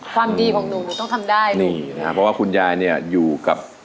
ความดีของหนูหนูต้องทำได้นะนี่นะฮะเพราะว่าคุณยายเนี่ยอยู่กับ